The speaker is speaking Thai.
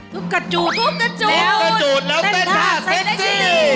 ทุกกระจูดแล้วเต้นท่าเซ็กซี่